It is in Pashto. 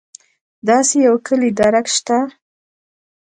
داسې یو کُلي درک شته.